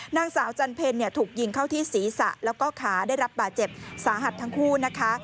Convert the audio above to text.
นางสาวจันเพลถูกยิงเข้าที่ศีรษะแล้วก็ขาได้รับบาดเจ็บสาหัสทั้งคู่นะคะ